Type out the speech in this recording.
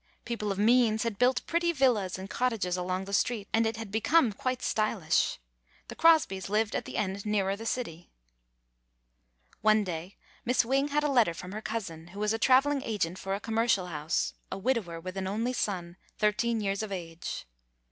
People of means had built pretty villas and cottages along the street, and it had become quite stylish. The Crosbys lived at the end nearer the city. One day Miss Wing had a letter from her cousin, who was a traveling agent for a com mercial house; a widower with an only son, thirteen years of age.